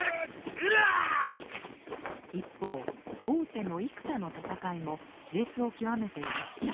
一方大手の生田の戦いも熾烈を極めていました。